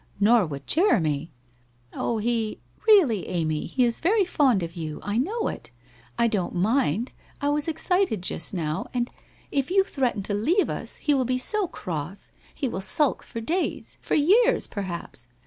Xor would Jeremy/ ' Oh, he '' Really, Amy, he IS very fond of you. I know it. I don't mind. I was excited just now. And if you threaten 202 WHITE ROSE OF WEARY LEAF to leave us he will be so cross, he will sulk for days, for years, perhaps